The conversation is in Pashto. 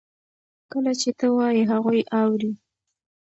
کله چې ته وایې هغوی اوري.